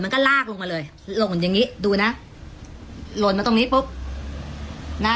ก็ลากลงมาเลยหล่นอย่างงี้ดูนะหล่นมาตรงนี้ปุ๊บนะ